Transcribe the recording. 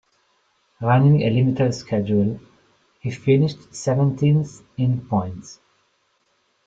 Running a limited schedule, he finished seventeenth in points.